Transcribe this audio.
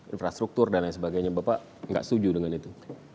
infrastruktur dan lain sebagainya bapak nggak setuju dengan itu